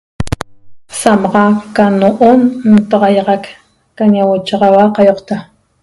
Samaxa ca no'on ntaxaiaxac ca ñahuochaxaua qaioqta